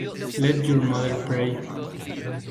Let your mother pray!